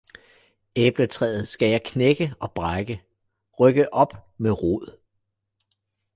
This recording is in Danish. Æbletræet skal jeg knække og brække, rykke op med rod